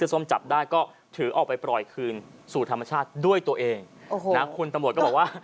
เอาไปปล่อยอย่างนี้ดีหรอ